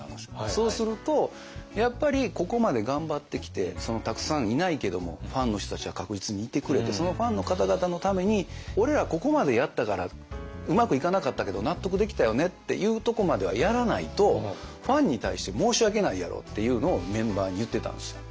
そうするとやっぱりここまで頑張ってきてたくさんいないけどもファンの人たちは確実にいてくれてそのファンの方々のために「俺らここまでやったからうまくいかなかったけど納得できたよね」っていうとこまではやらないとファンに対して申し訳ないやろっていうのをメンバーに言ってたんですよ。